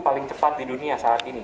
paling cepat di dunia saat ini